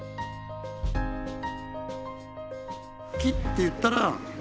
木っていったら何かね